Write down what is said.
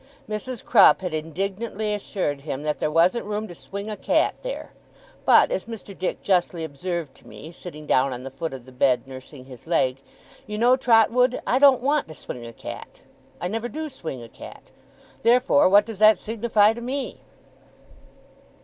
Mrs. Crupp had indignantly assured him that there wasn't room to swing a cat there; but, as Mr. Dick justly observed to me, sitting down on the foot of the bed, nursing his leg, 'You know, Trotwood, I don't want to swing a cat. I never do swing a cat. Therefore, what does that signify to ME!